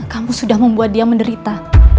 kamu sudah membuat dia menderita